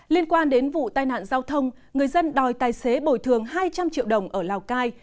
liên quan đến vụ tai nạn giao thông người dân đòi tài xế bồi thường hai trăm linh triệu đồng ở lào cai